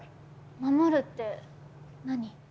守るって何？